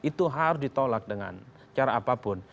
itu harus ditolak dengan cara apapun